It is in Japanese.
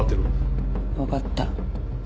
分かった。